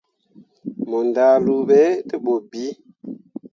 Mo ndahluu be te bu bii.